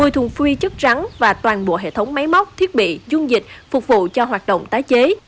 một mươi thùng phi chất rắn và toàn bộ hệ thống máy móc thiết bị dung dịch phục vụ cho hoạt động tái chế